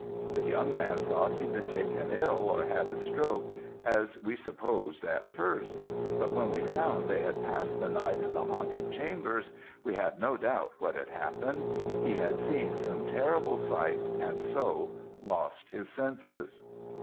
The young man thought he'd been taken ill or had a stroke, as we supposed at first; but when we found they had passed the night in the haunted chambers, we had no doubt what had happened he had seen some terrible sight and so lost his senses.'